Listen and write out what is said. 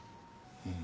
うん。